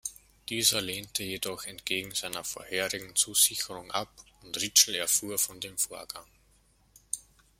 Dieser lehnte jedoch entgegen seiner vorherigen Zusicherung ab, und Ritschl erfuhr von dem Vorgang.